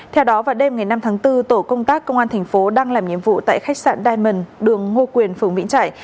theo đó vào đêm ngày năm tháng bốn tổ công tác công an tp đang làm nhiệm vụ tại khách sạn diamond đường ngô quyền phường vĩnh trải